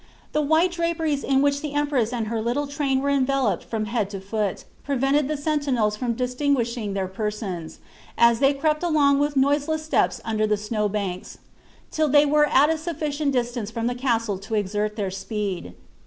The white draperies in which the empress and h^r little train were envelcyped from head to foot, prevented the sentinels from distinguishing their persons, as they crept along with noiseless steps under the snow banks, till they were at a sufficient distance from the castle to exert their speed.